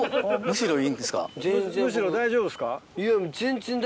むしろ大丈夫ですか？